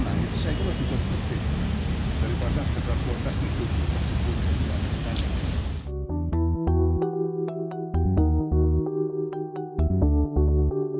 nah itu saya kira bisa sedikit daripada sekedar kualitas hidup